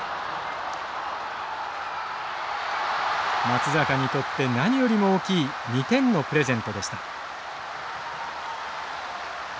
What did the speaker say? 松坂にとって何よりも大きい２点のプレゼントでした。